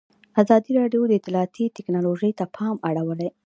ازادي راډیو د اطلاعاتی تکنالوژي ته پام اړولی.